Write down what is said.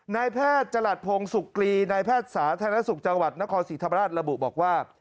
นายแพทย์จรัสพงศ์สุกรีนายแพทย์สาธารณสุขจังหวัดนครศรีธรรมราชระบุบอกว่า